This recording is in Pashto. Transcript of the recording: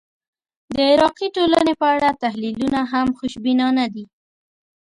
د عراقي ټولنې په اړه تحلیلونه هم خوشبینانه دي.